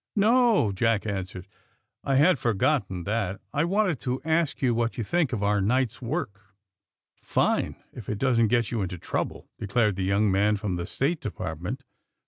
*^No," Jack answered. *'I had forgotten that. I wanted to ask you what you think of our night's work." Fine, if it doesn't get you into trouble. '* declared the young man from the State Depart ment.